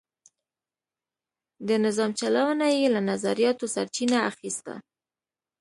د نظام چلونه یې له نظریاتو سرچینه اخیسته.